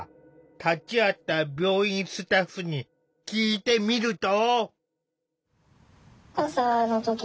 立ち会った病院スタッフに聞いてみると。